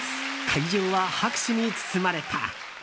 会場は拍手に包まれた。